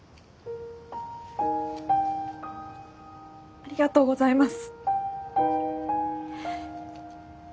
ありがとうございます。